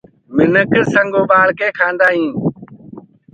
منک سنگ اُڀآݪ ڪي کآندآ هينٚ۔